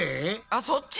あっそっち？